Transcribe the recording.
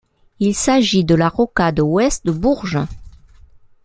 Il s'agit de la rocade ouest de Bourges.